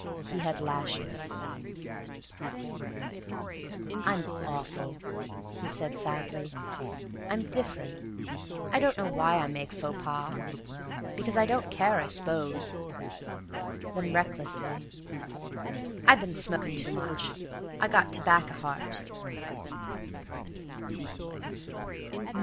He had lashes. "I'm awful," he said sadly. "I'm diff'runt. I don't know why I make faux pas. 'Cause I don't care, I s'pose." Then, recklessly: "I been smoking too much. I've got t'bacca heart."